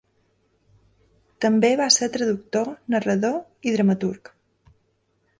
També va ser traductor, narrador i dramaturg.